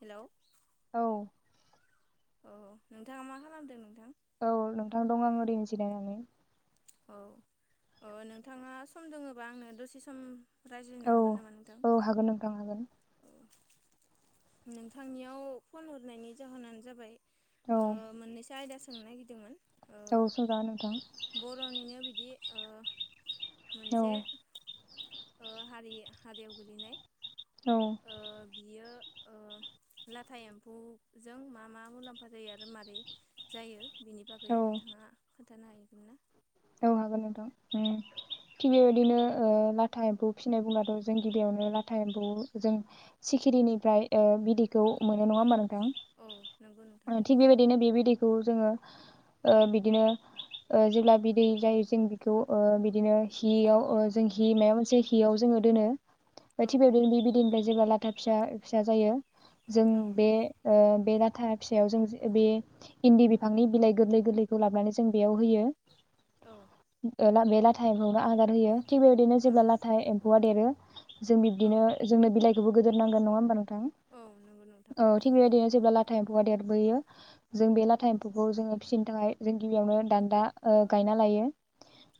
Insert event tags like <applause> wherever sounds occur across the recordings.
हेल' औ औ नोंथाङा मा खालामदों नोंथां औ नोंथां दं आं ओरै जिरायनानै औ ओ नोंथाङा सम दोङोबा आंनो दसे सम रायज्लायनो औ हागोन नामा नोंथां? औ हागोन नोंथां हागोन औ नोंथांनियाव फन हरनायनि जाहोनानो जाबाय औ ओ मोनैसो आयदा सोंनो नागिरदोंमोन। ओ औ सोंजागोन नोंथां। बर'निनो बिदि ओ औ मोनसे ओ हारि-हारियाव गोलैनाय औ ओ बियो ओ लाथा एम्फौजों मा मा मुलाम्फा जायो आरो माबोरै जायो बिनि बागै औ नोंथाङा खोनथानो हायोमोनना? औ हागोन नोंथां ओम थिग बेबायदिनो ओ लाथा एम्फौ फिसिनाय बुंब्लाथ' जों गिबियावनो लाथा एम्फौ जों सिखिरिनिफ्राय ओ बिदैखौ मोनो नङा होमबा नों थां औ नंगौ नोंथां ओ थिग बेबायदिनो बे बिदै खौ‌ जों ओ बिदिनो ओ जेब्ला बि दै जायो जों बेखौ ओ बिदिनो हियाव ओ जों हि मायबा मोनसे हियाव जोङो दोनो। औ <unintelligible> थिग बेबादिनो जेब्ला ला था फिसा फिसा जायो जों औ बे ओ बे लाथा फिसायाव जों बे इन्दि बिफांनि बिलाइ गोरलै गोरलैखौ लाबोनानै जों बेयाव होयो। औ ओ ला बे लाथा एमफौनो आदार होयो। थि बेबायदिनो औ जेब्ला लाथा एमफौआ देरो। जों औ बिब्दिनो जोंनो बिलाइ खौबो गोदोर नांगोन नङा ओमबा नों थां औ नंगौ नोंथां औ थिग बेबायदिनो जेब्ला ला था एम्फौआ देरबोयो जों बे लाथा एम्फौखौ जोङो फिसिनो थाखाय जों गिबियावनो दान्दा ओ गायना लायो।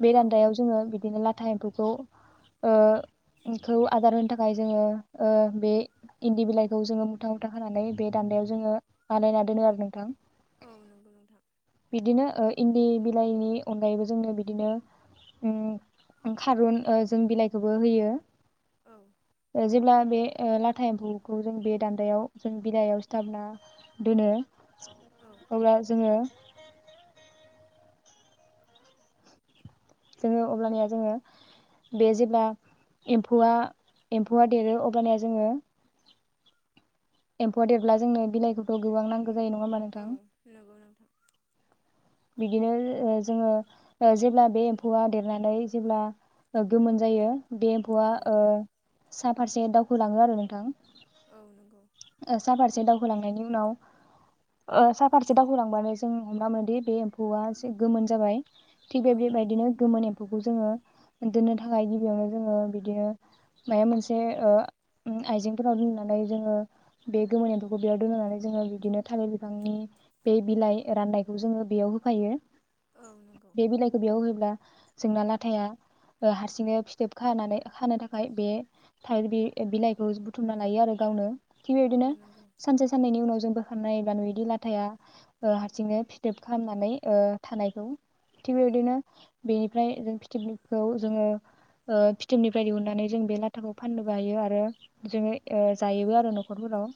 बे औ दान्दायाव जोङो बिदिनो ला था एम्फौखौ ओ खौ आदार होनो थाखाय जोङो ओ बे इन्दि बिलाइखौ जोङो मुथा मुथा खानानै बे दान्दायाव जोङो बानायना दोनो आरो नोंथां। औ नंगौ नोंथां बिदिनो ओ इन्दि बि लाइनि अनगायैबो जोंनो बिदिनो उम ओ खारुन जों बिलाइखौबो होयो। औ ओ जेब्ला बे ओ लाथा एम्फौखौ जों बे दान्दायाव जों बिदइआव सिथाबना दोनो औ अब्ला जोङो जोङो अबनिया जोङो बे जेब्ला एम्फौ एम्फौआ देरो अबनिया जोङो एम्फौआ देरब्ला जोंनो बिलाइखौथ' गोबां नांगौ गोजै नङा हामा नोंथां? औ नंगौ नोंथां बिदिनो जोङो जेब्ला बे फौवा देरनानै जेब्ला गोमोन जायो। बे एम्फौवा औ ओ साब फारसे दावखोलाङो आरो नोंथां औ नंगौ साफारसे द होलांनायनि उनाव साहाफारसे दावहोलांबानो जों हम मोनोदि बे एम्फौआ एसे गोमोन जाबाय थिग बे औ बेबायदिनो। एखौ जोङो दोननो थाखाय गिबियावनो जोङो बिदिनो मा मोनसे आइजेंफोराव दोननानै जोङो बे गोमोनो एम्फौखौ बेयाव दोननानै जोङो बिदिनो थालिर बिफांनि बे बिलाइ राननायखौ जोङो बेयाव होफायो। औ नंगौ बेेबल बियाव होब्ला जोंना लाथाया हारसिंनो फिथोब खानानै खानो थाखाय बे थाइिर बिलाइखौ बुथुमना लायो आरो गावनो थि औ बेबायदिनो नंगौ सानसे साननैनि उनाव जोंबो। खनाय एबा नुदि लाथाया हारसिंनो फिथोब खालामनानै थानायखौ थिग बेबायदिनो। बेनिफ्राय जों फिथोबखौ जोङो फिथोबनिफ्राय दिहुननानै जों बे लाथाखौ फाननोबो हायो आरो जोङो जायोबो आरो न'खरफोराव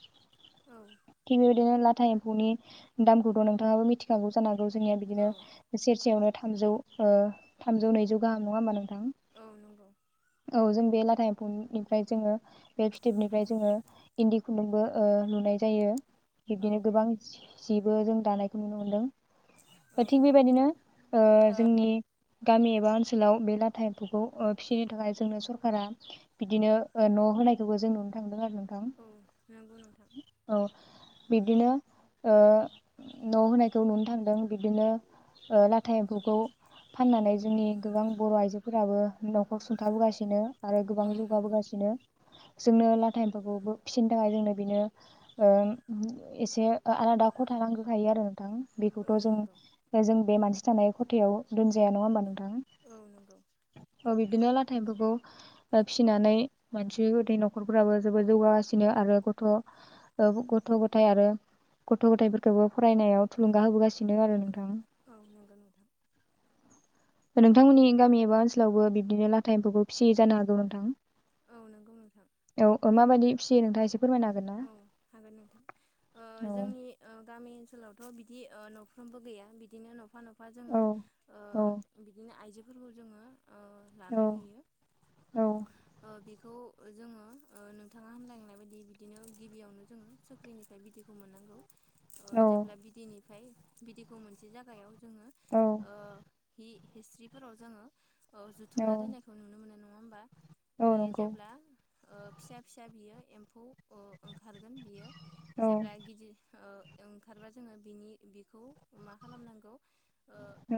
औ थिबिदिनो ला एम्फौनि दामखौ नोंथाङाबो मिथिखागौ जानो हागौ। जोंनिया बिदिनो औ सेरसेयावनो थामजौ। थामजौ नैजौ गाहाम नङा मा नों औ नंगौ औ जों बे लाथा निफ्राय जोङो बे फिथोबनिफ्राय जोङो इन्दि खुन्दुंबो लुनाय जायो। औ बिब्दिनो गोबां जिबो जों। दानायखौ नुनो मोनदों औ थिग बेबायदिनो ओ जोंनि गामि एबा ओनसोलाव बे लाथा एम्फौखौ फिसिनो थाखाय जोंनो सरकारा बिदिनो न' होनायखौबो जों नुनो थांदों आरो। नोंथां औ नोंगौ नोंथां। औ बिब्दिनो न' होनायखौ नुनो थांदों बिब्दिनो लाथा एम्फौखौ फाननानै जोंनि गोबां बर' आइजोफोराबो न'खर सुंथाबोगासिनो। आरो गोबां औ नंगौ जौगाबोगासिनो जोंनो लाथा एम्फाखौबो फिसिनो थाखाय जोंनो बेनो एसे आलादा खथानांखायो आरो। औ बेखौथ' जों नंगौ जों बे मानसि जानाय खथायाव दुजाया नङा होमबा औ नंगौ नों बिदि थाइम्फफोरखौ फिसिनानै मानसि उदै न'खरफोराबो जोबोद जौगागासिनो आरो गथ' गथ' गथाय आरो गथ' गथायाइफोरखौबो फरायनायाव थुलुंगा होबोगासिनो आरो नोंथां औ नंगौ नोंथां नोंथांमोननि गामि एबा ओनसोलावबो बिब्दिनो लाथा एम्फौखौ फिसियै जानो हागौ नोंथां औ नंगौ नोंथां औ माबायदि फियो नोंथाङा एसे फोरमायना होन औ हागोन नोंथां औ जोंनि गामि ओनसोलावथ' बिदि ओ न'फ्रोमबो गैया बिदिनो नफा नफा जोङो औ ओ औ बिदि फोरबो जोङो ओ औ लानाय नुयो औ खौ जोङो नोंथाङा हामलायनाय बायदि बिदिनो गिबियावनो जोङो साख्रिनिफ्राय बिदिखौ मोननांगौ ओ औ जेब्ला बिदैनिफ्राय बिदिखौ मोनसे जागायाव जोङो औ हिस्ट्रिफोराव जोङो औह औ जुथुमना रायनायखौ नुनो मोनो नं नङा होमबा औ बेयो नंगौ जेब्ला ओ फिसा फिसा बियो एम्फौ अ ओंखारगोन बियो औ जेब्ला गिदिर ओ ओंखारबा जोङो बिनि बेखौ मा खालामनांगौ ओ औ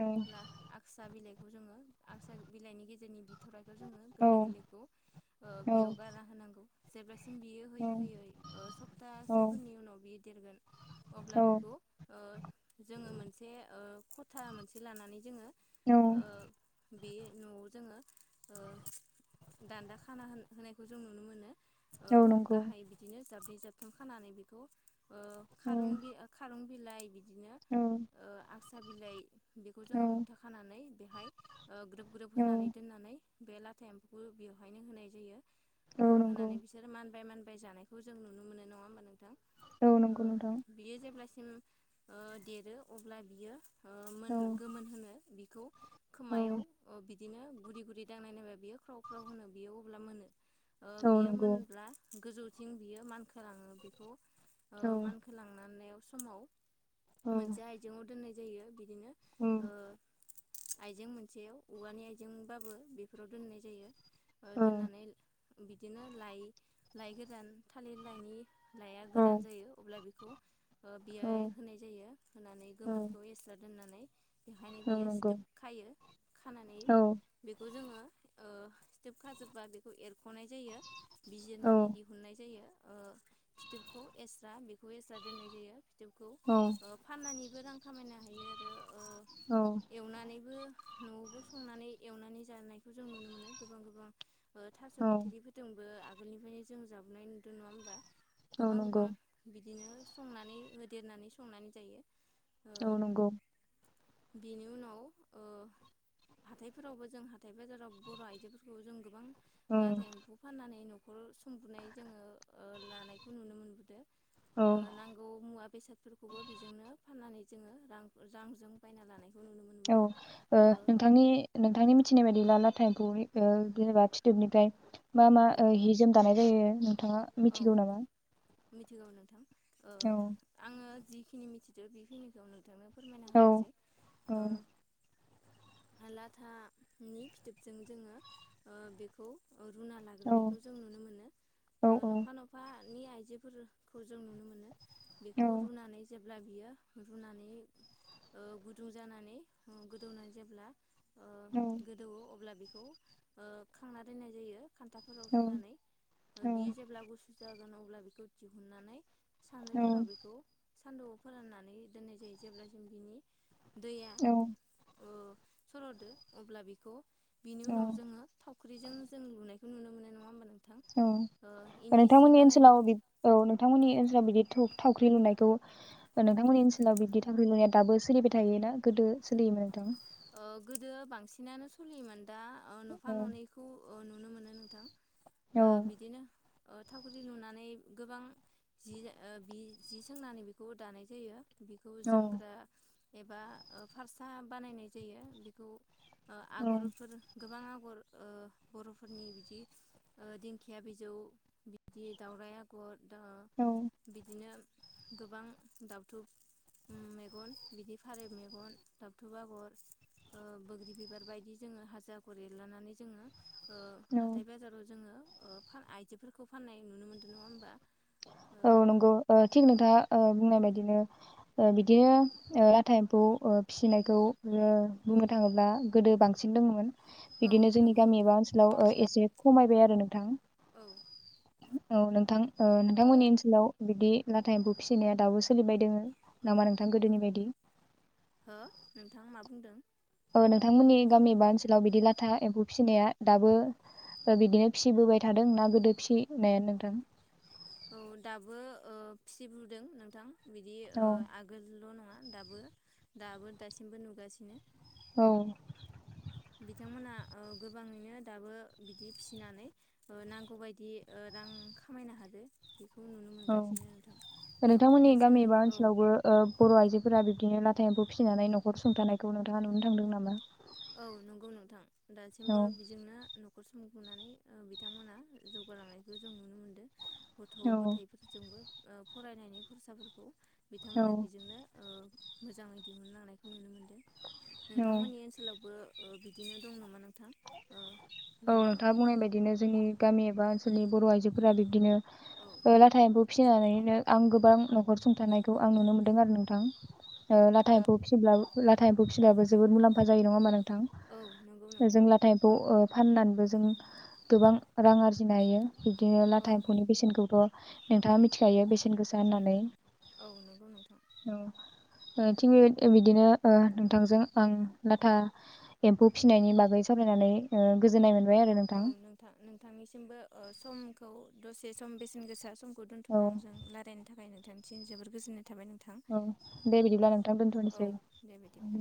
आक्सा बिलाइ खौ जोङो आगसा बिलाइनि गेजेरनि बि थराइखौ जोङो औ गोरलै गोरलैखौ ओ बियाव गारना होनांगौ जेब्ला बियो औ होयो होयै ओ औ सप्तासेफोरनि उनाव बि दिरगोन अब्ला बेखौ ओ जोङो मोनसे ओ खथा मोनसे लानानै जोङो औ ओ बे न'आव जोङो ओ दान्दा खाना होन होनायखौ जों नुनो मोनो औ नंगौ जाबै जाबथुम खानानै बेखौ अ औ खार बि खार बिलाय बिदिनो औ ओह आं सा बिलाइ बेखौ जोङो औ मुथा खानानै बेहाय ग्रोब ग्रोब होनानै औ दोननानै बे लाथा एम्फौखौ बेवहायनो होनाय जायो औ ओह नंगौ होनानै बिसोरो मानबाय मान जानाय बे जों नुनो मोननाय नङा होमबा नोंथां औ नंगौ नोंथां ओ बियो जेब्ला ओ देरो अब्ला बियो मोन औ गोमोन होनो बि औ खोमायाव बिदि बिदिनो गुदि गुदि दांनाय नायबा बियो ख्राव फ्राव होनो बियो अब्ला मोनो ओ औ बियो नंगौ मोनब्ला गोजौ बियो मानखाङो बेखौ ओ औ मानखोलांनानै समाव औ मोनसे आयजेंआव दोननाय जायो जायो बिदि बिदिनो उम ओ आइजें मोनसे औवानि आइजेंबाबो बेफोराव दोननाय जायो ओ औ दोननानै बिदिनो लाय लायगोन गोजान थालिर लाइनि लाया औ गोदान जायो अब्ला बेखौ ओ बेयोहाय औ होनाय जायो होनानै औ गोमोनखौ एस्रा होननानै बेखायनो औ बियो नंगौ सिथोब खायो खानानै औ बेखौ जोङो सिथोब खाजोबबा बेखौ एर ख'नाय जायो औ बिजिरनानै दि नाय जायो ओ फिथोबखौ एस्रा बेखौ एस्रा दोननाय जायो। सिथोबखौ औ ओ फाननानैबो रां खामायनो हायो आरो ओ औ एवनानैबो न'आवबो संनानै एवनानै जानायखौ जों नुनो मोनो गोबां गोबां बो थास' औ बिथिरिफोरजोंबो आगो गोलनिफ्रायनो जों जाबोनाय नुदों नङा होमबा? औ गोबां गोबां नंगौ बिदि बिदिनो संनानै होदेरनानै संनानै जायो। ओ औ नंगौ। बेनि उनाव ओ हाथायफोरावबो जों हा हाथाय बाजाराव बर' आइजोफोरखौ जों गोबां औ लाथा एम्फौ फाननानै नु खरस <unintelligible> बुनाय जोङो ओ लानायखौ नुनो मोनबोदों ओ औ नांगौ मुवा बेसादफोरखौबो बेजोंनो फाननानै जोङो रां रांजों बायना लानाय औ ओ नोंथांनि नोंथांनि मिथिनाय बाय ब्ला लाथा एम्फौनि ओ जेनेबा फिथोबनिफ्राय मा मा ओ हि जोम दानाय जायो। नोंथाङा औ मिथिगौ नामा? मिथिगौ नोंथां। ओ औ आङो जि खिनि मिथिदो बेखिनिखौ नोंथांनो फोरमायना औ होनिसै औ ओ लाथा नि फिथोबजों जोङो ओ बेखौ ओ रुना औ लाग्रोनायखौ जों नुनो मोनो। ओ औ नुफा नुफा नि आइजोफोरखौ जों नुनो मोनो बेखौ औ रुनानै जेब अब्ला बियो रुनानै ओ गुदुं जानानै गोदौना जेब्ला ओ गोदौवो अब्ला बेख बेखौ ओ खांना दोननाय जायो खान्थाफोराव रुनानै औ बियो जेब्ला गुसु जागोन अब्ला बिखौ दिहुननानै औ सानद्रिफोराव बेखौ सान्दौआव फोराननानै दोननाय जायो जेब्लासिम बिनि दैया औ ओ सरदो अब्ला बेखौ बिनि औ उनाव जोङो थावख्रिजों जों लुनाय नुनो मोनो नङा होमबा नोंथां औ ओ इन्दि सि नोंथांमोननि ओनसोलाव बानायनायखौ बि औ नोंथांमोननि ओनसोलाव बिदि धुप थावख्रि लुनायखौ नोंथांमोननि ओनसोलाव बिदि थावख्रि लुनाया दाबो सोलिबाय थायोना गोदो सोलियोमोन नोंथां ओ गोदो बांसिनानो सोलियोमोन दा ओ नफा औ ननैखौ ओ नुनो मोनो नोंथां ओ औ बिदिनो ओ थावख्रि लुनानै गोबां जि ओ बि जि सोंनानै बिखौ दानाय जायो बिखौ औ जोमग्रा एबा ओ फारसा बानायनाय जायो बिखौ ओ आगरफोर गोबां आ आगर ओ बरफोरनि बिदि ओ दिंखिया बिजौ बिदि दाउराइ आगर दा औ बिदिनो गोबां दावथुब मेगन बिदि फारौ मेगन दावथुब आगर ओ बोग्रि बिबार बायदि जोङो हाजो आगर एरलानानै जोङो ओ औ हाथाय बाजाराव जोङो ओ फा आइजोफोरखौ फाननाय नुनो मोनदों नङा होमबा ओ औ नंगौ ओ थिग नोंथाङा ओ बुंनाय बायदिनो ओ बिदिनो ओ लाथा एम्फौ ओ फिसिनायखौ ओ बुंनो थाङोब्ला गोदो बांसिन दोङोमोन औ बिदिनो जोंनि नंगौ गामि नोंथां एबा ओनसोलाव ओ एसे खमायबाय आ नोंथां औ औ नोंथां ओ नोंथांमोननि ओनसोलाव बिदि लाथा एम्फौ फिसिनाया दाबो सोलिबाय दोङो नामा नोंथां गोदोनि बायदि? हो नोंथां मा बुंदों? औ नोंथांमोननि गामि बा ओनसोलाव बिदि लाथा एम्फौ फिसिनाया दाबो ओ बिदिनो फिसिबोबाय थादों ना गोदो फिसिनायानो नोंथां? औ दाबो ओ फिसि बुदों नोंथां। बिदि ओ औ आगोलल' नङा। दाबो दाबो दासिमबो नुगासिनो। औ। बिथांमोना ओ गोबाङैनो दाबो बिदि फिसिनानै ओ नांगौबायदि ओ रां खामायनो हादो। बेखौ नुनो औ मोनगासिनो नोंथां नोंथांमोननि गामि नोंसोरनि एबा औ ओनसोलावबो बर' आइजोफोरा बिब्दिनो ला एमफौ फिसिनानै न'खर सुंथानायखौ नोंथाङा नुनो थांदों नामा? औ नंगौ नोंथां। औ दासिमबो बिजोंनो ओ न'खर सुंथानानै ओ बिथांमोनहा जौगालांनायखौ जों नुनो मोनदों। गथ' औ गथाइफोरजोंबो। ओ फरायनायनि खरसाफोरखौ औ बिथांमोना बेजोंनो ओ मोजांङै दिहुनलांनायखौ नुनो मोनो। औ नोंथांमोननि ओन बो बिदिनो दं नामा नों औ नोंथाङा बुंनाय बायदिनो जोंनि गामि एबा ओनसोलनि बर' आइजोफोरा बिब्दिनो औ ओ लाथाबो फिसिनानैनो आं गोबां न'खर सुंथानायखौ आं नुनो मोनदों आरो नोंथां। नाथाय एमम्फौ फिब्लाबो लाथा एम्फौ फिनाबो जोबोद मुलाम्फा जायो। नङा होमबा नों थां औ नंगौ जों नोंथां ला फाननानैबो जों गोबां रां आरजिनो हायो। बिदिनो औ लाथा एम्फौनि बेसेनखौथ' नोंथाङा मिथिखायो बेसेन गोसा होननानै। औ नोंगौ नोंथां। ओ थिग बे बिदिनो नोंथांजों आं लाथा एम्फौ फिनायनि बागै सावरायनानै गोजोननाय मोन औ नोंथां नोंथांनिसिमबो ओ सम खौ दसे सम बेसेन गोसा सम खौ औ दोन्थ'नानै जों रायलायनाय थाखाय नोंथांनिसिम जोबोर गोजोन्नाय औ दे बिदिब्ला नोंथां औ दोनथ'नोसै दे बिदिब्ला